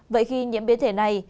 vậy khi nhiễm biến thể này